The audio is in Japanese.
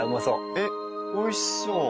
えっ美味しそう。